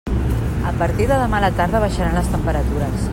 A partir de demà a la tarda baixaran les temperatures.